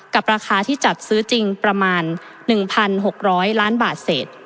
ราคาที่จัดซื้อจริงประมาณ๑๖๐๐ล้านบาทเศษ